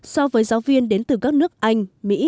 so với giáo viên đến từ các nước anh